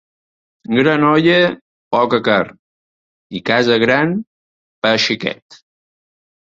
Gran olla, poca carn, i casa gran, pa xiquet.